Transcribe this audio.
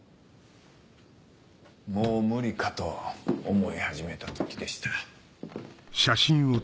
もう無理かと思い始めた時でした。